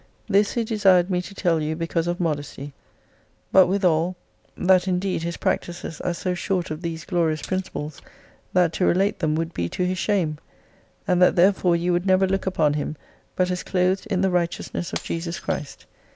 This he desired me to tell you because of modesty. But with all that indeed his practises are so short of these glorious principles, that to relate them would be to his shame ; and that therefore you would never look upon him but as clothed in the righteousness of Jesus Christ.